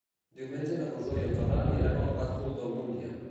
Diumenge na Rosó i en Ferran iran al Ràfol d'Almúnia.